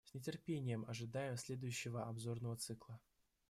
С нетерпением ожидаем следующего обзорного цикла.